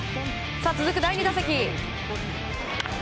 続く第２打席。